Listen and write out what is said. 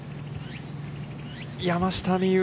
山下美夢